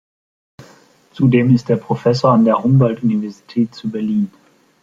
Zudem ist er Professor an der Humboldt-Universität zu Berlin.